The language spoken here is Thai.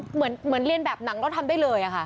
เหมือนเรียนแบบหนังแล้วทำได้เลยค่ะ